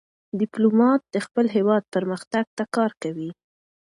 ډيپلومات د خپل هېواد پرمختګ ته کار کوي.